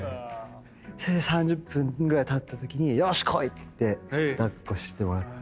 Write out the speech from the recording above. それで３０分ぐらいたったときに「よーしっこい！」って言って抱っこしてもらって。